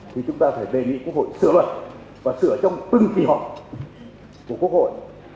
thì chúng ta phải đề nghị quốc hội sửa luật và sửa trong từng kỳ họp của quốc hội